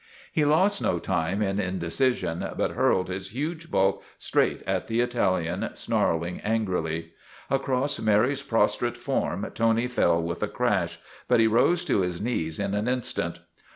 He lost no time in inde cision but hurled his huge bulk straight at the Ital ian, snarling angrily. Across Mary's prostrate form Tony fell with a crash, but he rose to his knees in an instant.